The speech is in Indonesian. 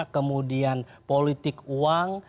kemudian politik uang